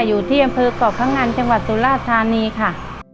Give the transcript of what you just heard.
อยู่ที่อำเภอกเกาะพังอันจังหวัดสุราธานีค่ะ